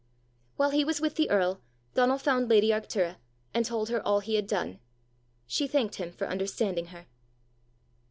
While he was with the earl, Donal found lady Arctura, and told her all he had done. She thanked him for understanding her.